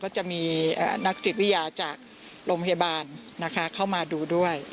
จะมีนักจิตวิทยาจากโรงพยาบาลนะคะเข้ามาดูด้วย